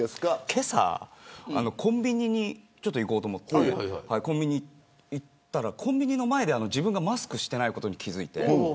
けさコンビニに行こうと思ってコンビニに行ったらコンビニの前でマスクをしていないことに気付いて。